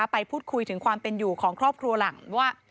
ไปพูดคุยถึงความเป็นอยู่ของครอบครัวหลังว่า